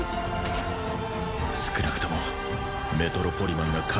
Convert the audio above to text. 少なくともメトロポリマンが